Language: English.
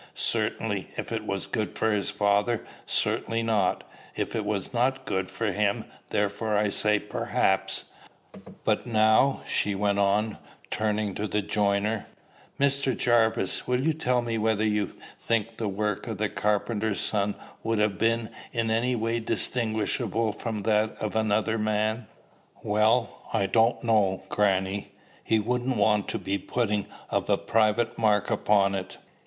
"Certainly, if it was good for his father; certainly not, if it was not good for him: therefore I say perhaps. But now," she went on, turning to the joiner, "Mr. Jarvis, will you tell me whether you think the work of the carpenter's son would have been in any way distinguishable from that of another man?" "Well, I don't know, grannie. He wouldn't want to be putting of a private mark upon it.